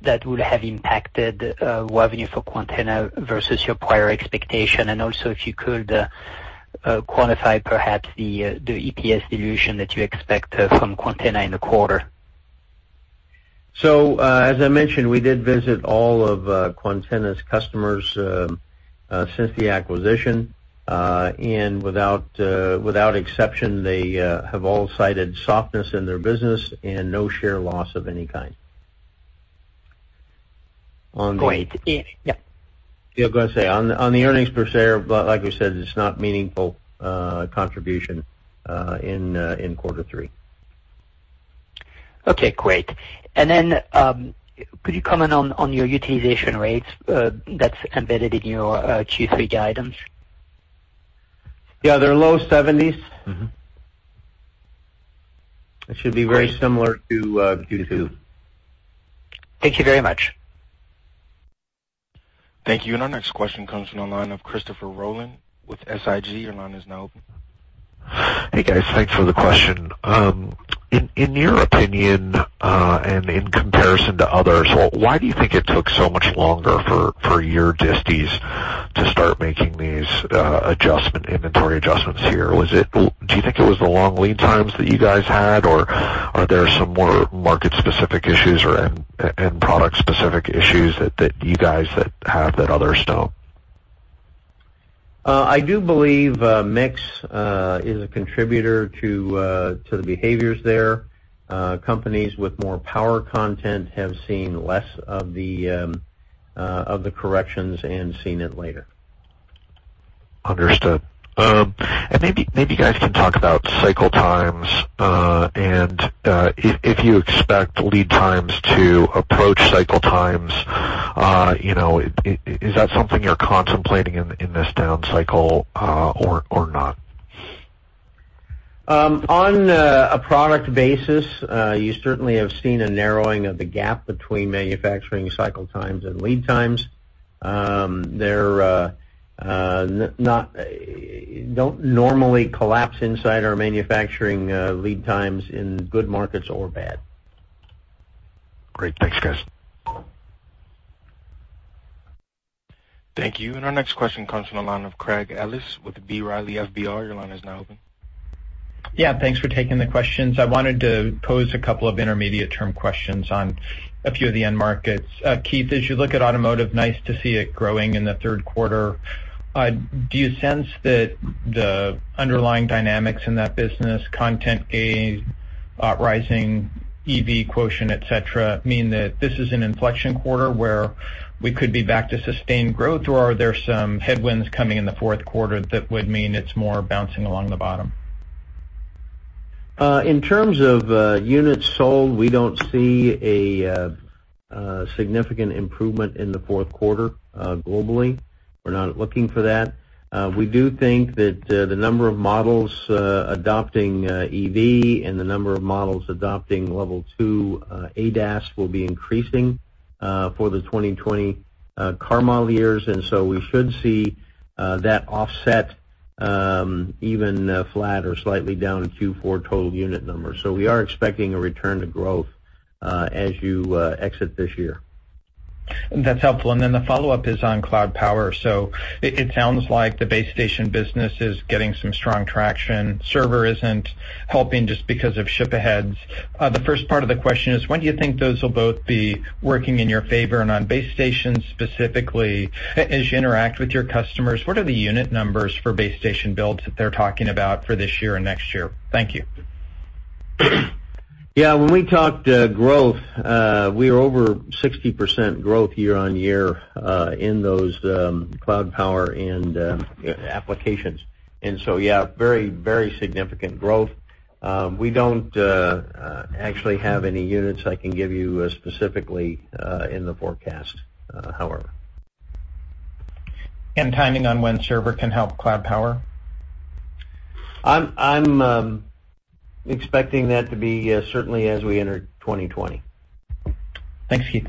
that would have impacted revenue for Quantenna versus your prior expectation? Also if you could qualify perhaps the EPS dilution that you expect from Quantenna in the quarter. As I mentioned, we did visit all of Quantenna's customers since the acquisition. Without exception, they have all cited softness in their business and no share loss of any kind. Great. Yeah. Yeah, I was going to say, on the earnings per share, like we said, it's not meaningful contribution in quarter three. Okay, great. Could you comment on your utilization rates that's embedded in your Q3 guidance? Yeah, they're low seventies. It should be very similar to Q2. Thank you very much. Thank you. Our next question comes from the line of Christopher Rolland with SIG. Your line is now open. Hey, guys. Thanks for the question. In your opinion, and in comparison to others, why do you think it took so much longer for your distis to start making these inventory adjustments here? Do you think it was the long lead times that you guys had, or are there some more market specific issues or end product specific issues that you guys have that others don't? I do believe mix is a contributor to the behaviors there. Companies with more power content have seen less of the corrections and seen it later. Understood. Maybe you guys can talk about cycle times, and if you expect lead times to approach cycle times, is that something you're contemplating in this down cycle or not? On a product basis, you certainly have seen a narrowing of the gap between manufacturing cycle times and lead times. They don't normally collapse inside our manufacturing lead times in good markets or bad. Great. Thanks, guys. Thank you. Our next question comes from the line of Craig Ellis with B. Riley FBR. Your line is now open. Thanks for taking the questions. I wanted to pose a couple of intermediate term questions on a few of the end markets. Keith, as you look at automotive, nice to see it growing in the third quarter. Do you sense that the underlying dynamics in that business, content gain, rising EV quotient, et cetera, mean that this is an inflection quarter where we could be back to sustained growth? Or are there some headwinds coming in the fourth quarter that would mean it's more bouncing along the bottom? In terms of units sold, we don't see a significant improvement in the fourth quarter globally. We're not looking for that. We do think that the number of models adopting EV and the number of models adopting level 2 ADAS will be increasing for the 2020 car model years, and so we should see that offset even flat or slightly down in Q4 total unit numbers. We are expecting a return to growth as you exit this year. That's helpful. The follow-up is on cloud power. It sounds like the base station business is getting some strong traction. Server isn't helping just because of ship aheads. The first part of the question is, when do you think those will both be working in your favor? On base stations specifically, as you interact with your customers, what are the unit numbers for base station builds that they're talking about for this year and next year? Thank you. When we talked growth, we were over 60% growth year-on-year in those cloud power and applications. Very significant growth. We don't actually have any units I can give you specifically in the forecast, however. Timing on when server can help cloud power? I'm expecting that to be certainly as we enter 2020. Thanks, Keith.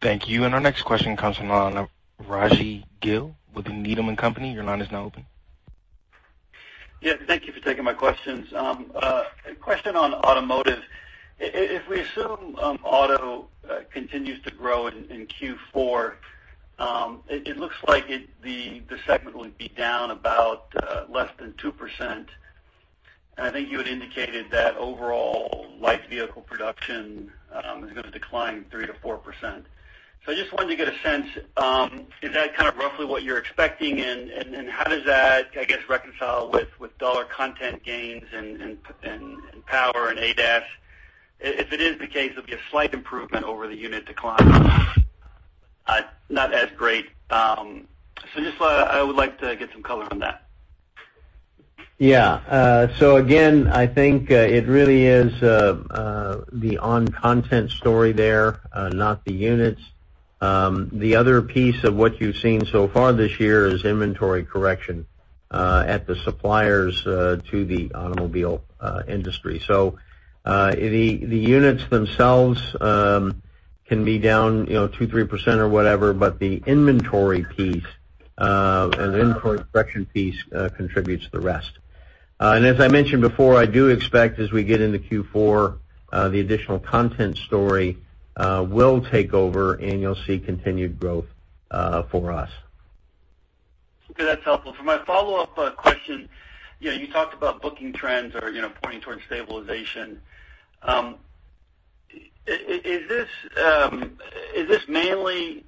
Thank you. Our next question comes from the line of Rajvindra Gill with Needham & Company. Your line is now open. Yeah. Thank you for taking my questions. Question on automotive. If we assume auto continues to grow in Q4, it looks like the segment will be down about less than 2%. I think you had indicated that overall light vehicle production is going to decline 3%-4%. I just wanted to get a sense, is that kind of roughly what you're expecting? How does that, I guess, reconcile with dollar content gains and power and ADAS? If it is the case, there'll be a slight improvement over the unit decline, not as great. Just I would like to get some color on that. Yeah. Again, I think it really is the ON content story there, not the units. The other piece of what you've seen so far this year is inventory correction at the suppliers to the automobile industry. The units themselves can be down 2%, 3% or whatever, but the inventory piece, and inventory correction piece contributes the rest. As I mentioned before, I do expect as we get into Q4, the additional content story will take over, and you'll see continued growth for us. Okay, that's helpful. For my follow-up question, you talked about booking trends are pointing towards stabilization. Is this mainly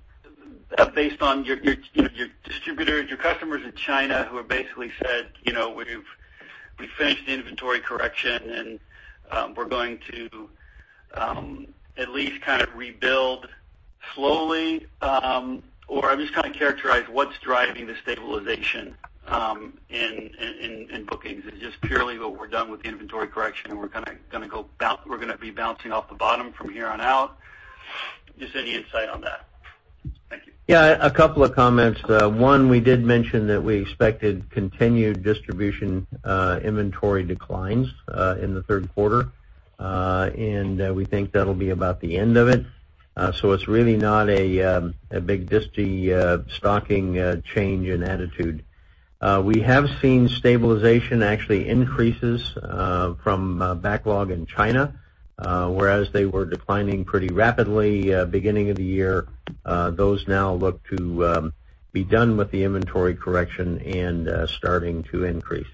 based on your distributors, your customers in China who have basically said, "We've finished the inventory correction, and we're going to at least kind of rebuild slowly." Just kind of characterize what's driving the stabilization in bookings. Is it just purely what we're done with the inventory correction and we're going to be bouncing off the bottom from here on out? Just any insight on that. Thank you. Yeah, a couple of comments. One, we did mention that we expected continued distribution inventory declines in the third quarter. We think that'll be about the end of it. It's really not a big distie stocking change in attitude. We have seen stabilization actually increases from backlog in China, whereas they were declining pretty rapidly beginning of the year. Those now look to be done with the inventory correction and starting to increase.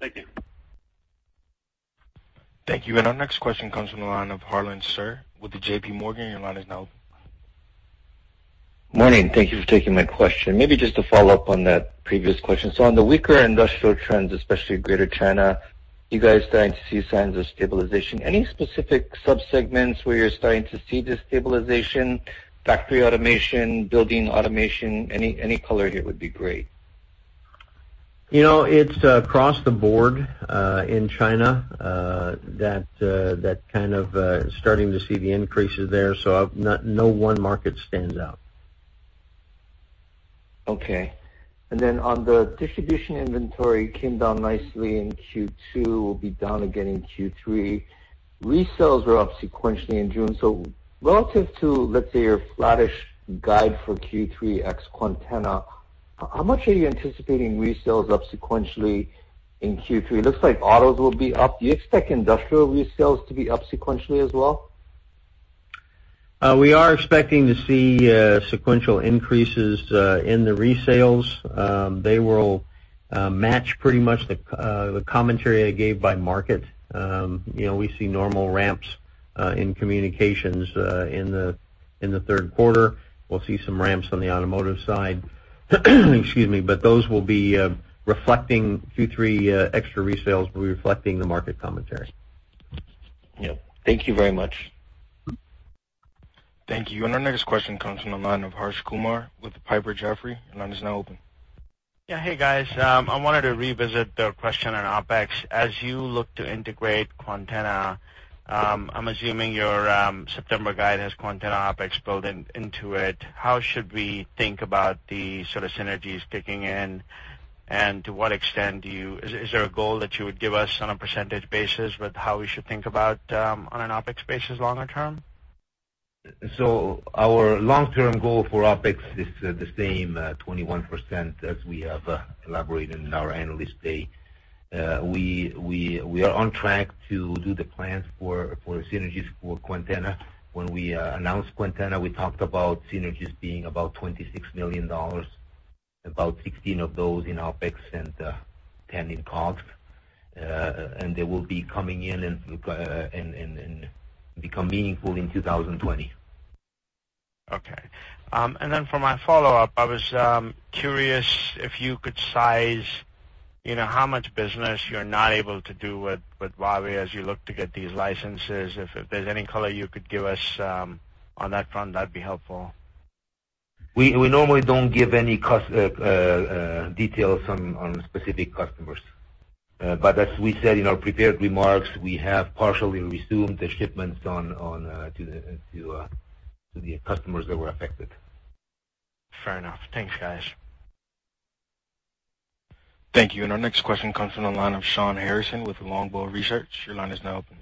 Thank you. Thank you. Our next question comes from the line of Harlan Sur with the JPMorgan. Your line is now open. Morning. Thank you for taking my question. Maybe just to follow up on that previous question. On the weaker industrial trends, especially greater China, you guys starting to see signs of stabilization? Any specific sub-segments where you're starting to see this stabilization, factory automation, building automation? Any color here would be great. It's across the board, in China, that kind of starting to see the increases there. No one market stands out. Okay. On the distribution inventory came down nicely in Q2, will be down again in Q3. Resales were up sequentially in June. Relative to, let's say, your flattish guide for Q3 ex Quantenna, how much are you anticipating resales up sequentially in Q3? It looks like autos will be up. Do you expect industrial resales to be up sequentially as well? We are expecting to see sequential increases in the resales. They will match pretty much the commentary I gave by market. We see normal ramps in communications in the third quarter. We'll see some ramps on the automotive side. Excuse me. Those will be reflecting Q3 extra resales will be reflecting the market commentary. Yep. Thank you very much. Thank you. Our next question comes from the line of Harsh Kumar with Piper Jaffray. Your line is now open. Yeah. Hey, guys. I wanted to revisit the question on OpEx. As you look to integrate Quantenna, I'm assuming your September guide has Quantenna OpEx built into it. How should we think about the sort of synergies kicking in? To what extent is there a goal that you would give us on a percentage basis with how we should think about on an OpEx basis longer term? Our long-term goal for OpEx is the same, 21% as we have elaborated in our analyst day. We are on track to do the plans for synergies for Quantenna. When we announced Quantenna, we talked about synergies being about $26 million, about 16 of those in OpEx and 10 in COGS. They will be coming in and become meaningful in 2020. For my follow-up, I was curious if you could size how much business you're not able to do with Huawei as you look to get these licenses. If there's any color you could give us on that front, that'd be helpful. We normally don't give any details on specific customers. As we said in our prepared remarks, we have partially resumed the shipments to the customers that were affected. Fair enough. Thanks, guys. Thank you. Our next question comes from the line of Shawn Harrison with Longbow Research. Your line is now open.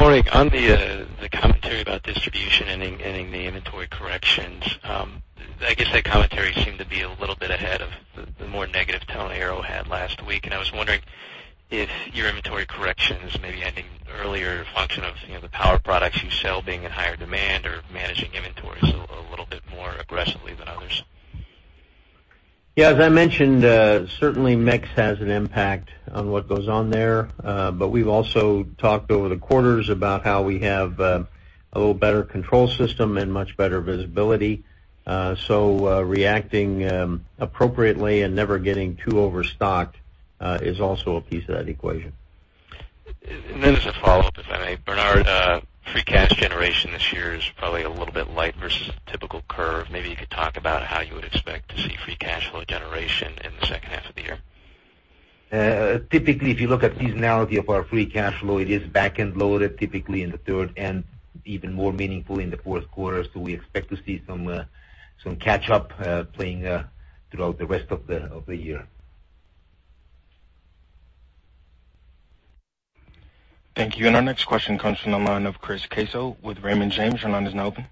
Morning. On the commentary about distribution ending the inventory corrections, I guess that commentary seemed to be a little bit ahead of the more negative tone Arrow had last week, and I was wondering if your inventory corrections may be ending earlier in function of the power products you sell being in higher demand or managing inventories a little bit more aggressively than others? Yeah, as I mentioned, certainly mix has an impact on what goes on there. We've also talked over the quarters about how we have a little better control system and much better visibility. Reacting appropriately and never getting too overstock is also a piece of that equation. As a follow-up, if I may, Bernard, free cash generation this year is probably a little bit light versus typical curve. Maybe you could talk about how you would expect to see free cash flow generation in the second half of the year? Typically, if you look at seasonality of our free cash flow, it is back-end loaded typically in the third and even more meaningful in the fourth quarter. We expect to see some catch up playing throughout the rest of the year. Thank you. Our next question comes from the line of Chris Caso with Raymond James. Your line is now open.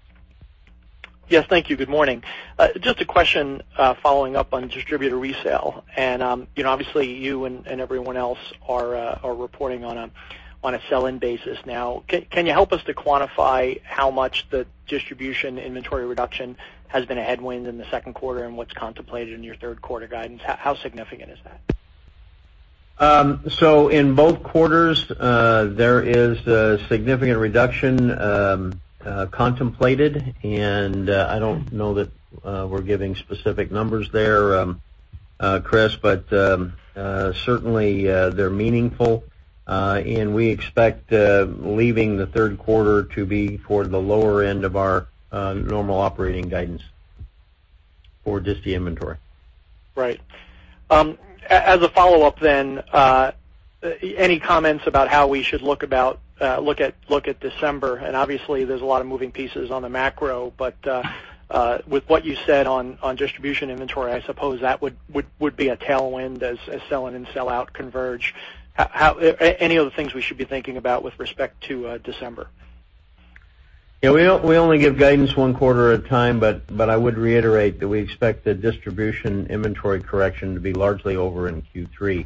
Yes, thank you. Good morning. Just a question following up on distributor resale. Obviously, you and everyone else are reporting on a sell-in basis now. Can you help us to quantify how much the distribution inventory reduction has been a headwind in the second quarter and what's contemplated in your third quarter guidance? How significant is that? In both quarters, there is a significant reduction contemplated. I don't know that we're giving specific numbers there, Chris, but certainly, they're meaningful. We expect leaving the third quarter to be toward the lower end of our normal operating guidance for disti inventory. Right. As a follow-up, any comments about how we should look at December? Obviously there's a lot of moving pieces on the macro, but with what you said on distribution inventory, I suppose that would be a tailwind as sell-in and sell out converge. Any other things we should be thinking about with respect to December? Yeah, we only give guidance one quarter at a time, but I would reiterate that we expect the distribution inventory correction to be largely over in Q3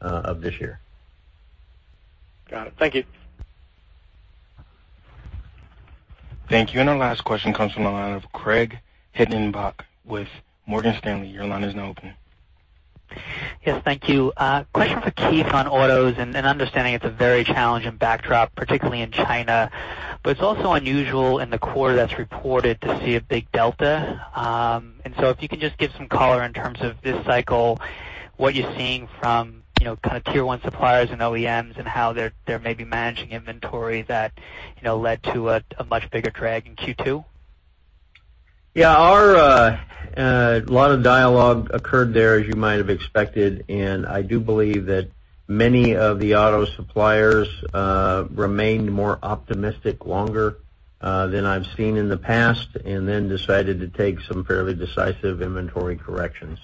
of this year. Got it. Thank you. Thank you. Our last question comes from the line of Craig Hettenbach with Morgan Stanley. Your line is now open. Yes, thank you. Question for Keith on autos, and understanding it's a very challenging backdrop, particularly in China. It's also unusual in the quarter that's reported to see a big delta. If you can just give some color in terms of this cycle, what you're seeing from kind of tier 1 suppliers and OEMs and how they're maybe managing inventory that led to a much bigger drag in Q2? Yeah. A lot of dialogue occurred there, as you might have expected. I do believe that many of the auto suppliers remained more optimistic longer than I've seen in the past, and then decided to take some fairly decisive inventory corrections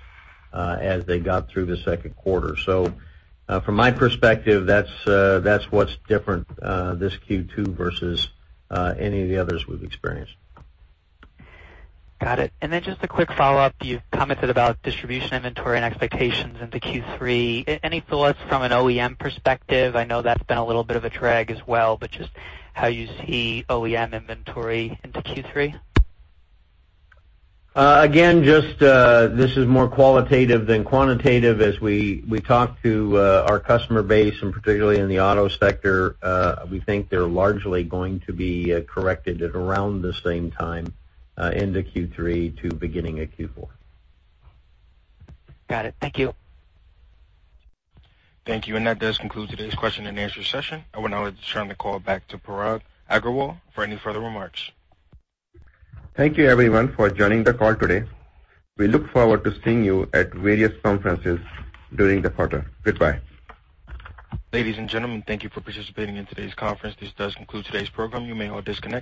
as they got through the second quarter. From my perspective, that's what's different this Q2 versus any of the others we've experienced. Got it. Just a quick follow-up. You've commented about distribution inventory and expectations into Q3. Any thoughts from an OEM perspective? I know that's been a little bit of a drag as well, but just how you see OEM inventory into Q3? This is more qualitative than quantitative. As we talk to our customer base, and particularly in the auto sector, we think they're largely going to be corrected at around the same time into Q3 to beginning of Q4. Got it. Thank you. Thank you. That does conclude today's question and answer session. I would now like to turn the call back to Parag Agarwal for any further remarks. Thank you everyone for joining the call today. We look forward to seeing you at various conferences during the quarter. Goodbye. Ladies and gentlemen, thank you for participating in today's conference. This does conclude today's program. You may all disconnect.